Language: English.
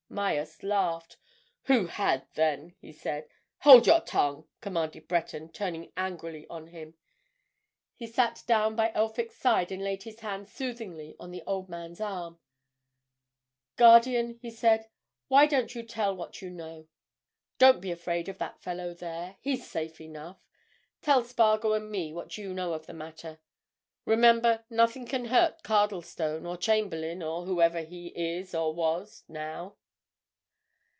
Myerst laughed. "Who had, then?" he said. "Hold your tongue!" commanded Breton, turning angrily on him. He sat down by Elphick's side and laid his hand soothingly on the old man's arm. "Guardian," he said, "why don't you tell what you know? Don't be afraid of that fellow there—he's safe enough. Tell Spargo and me what you know of the matter. Remember, nothing can hurt Cardlestone, or Chamberlayne, or whoever he is or was, now."